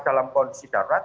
dalam kondisi darurat